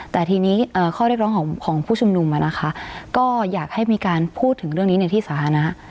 แต่ทีนี้ข้อเรียกร้องของผู้ชุมนุมก็อยากให้มีการพูดถึงเรื่องนี้ในที่สาธารณะ